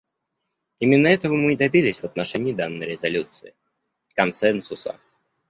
Именно этого мы и добились в отношении данной резолюции — консенсуса.